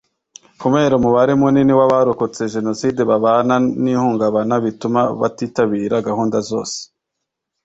Kubera umubare munini w abarokotse Jenoside babana n ihungabana bituma batitabira gahunda zose